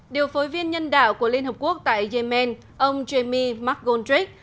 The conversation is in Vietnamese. điều phối viên nhân đạo của liên hợp quốc tại yemen ông jamie mcgonigal